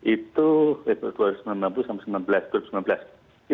itu eh dari seribu sembilan ratus sembilan puluh sampai dua ribu sembilan belas